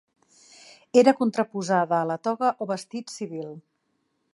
Era contraposada a la toga o vestit civil.